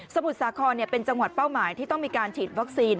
มุทรสาครเป็นจังหวัดเป้าหมายที่ต้องมีการฉีดวัคซีน